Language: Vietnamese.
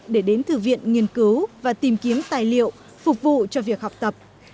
để đến thư viện nghiên cứu và tìm kiếm tài liệu phục vụ cho việc học tập